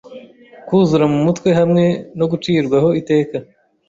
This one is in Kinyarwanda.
Kuzura mu mutwe hamwe no gucirwaho iteka